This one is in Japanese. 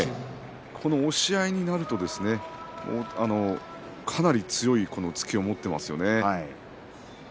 押し合いになるとかなり強い突きを持っていますよね。